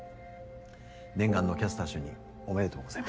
念願のキャスター就任おめでとうございます。